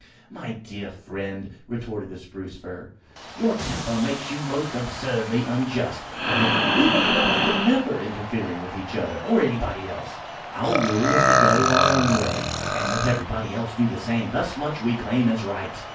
"My dear friend," retorted the Spruce fir, "your temper makes you most absurdly unjust. Why, we make a point of never interfering with each other, or with anybody else! Our rule is to go our own way, and let everybody else do the same. Thus much we claim as a right."